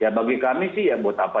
ya bagi kami sih ya buat apa